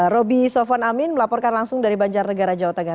roby sofon amin melaporkan langsung dari banjarnegara jawa tengah